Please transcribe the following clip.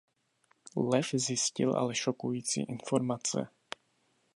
Lev zjistil ale šokující informace.